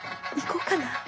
行こうかな。